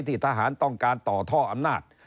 ทหารต้องการต่อท่ออำนาจ